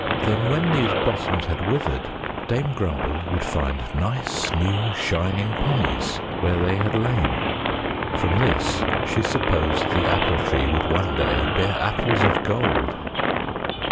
Then when these blossoms had withered, Dame Grumble would find nice, new shining pennies where they had lain. From this she supposed the Apple Tree would one day bear apples of gold.